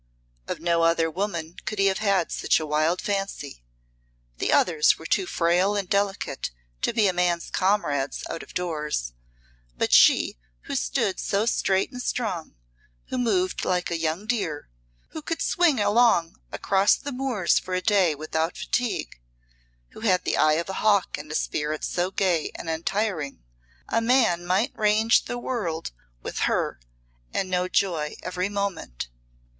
Of no other woman could he have had such a wild fancy the others were too frail and delicate to be a man's comrades out of doors; but she, who stood so straight and strong, who moved like a young deer, who could swing along across the moors for a day without fatigue, who had the eye of a hawk and a spirit so gay and untiring a man might range the world with her and know joy every moment.